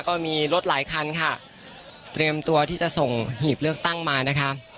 ก็มีรถหลายคันค่ะเตรียมตัวที่จะส่งหีบเลือกตั้งมานะคะ